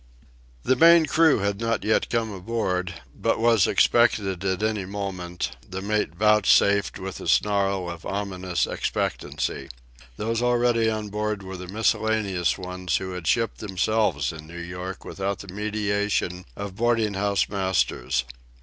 The main crew had not yet come aboard, but was expected at any moment, the mate vouchsafed with a snarl of ominous expectancy. Those already on board were the miscellaneous ones who had shipped themselves in New York without the mediation of boarding house masters.